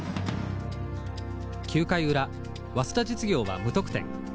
９回裏早稲田実業は無得点。